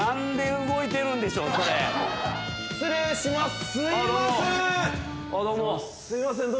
すいません。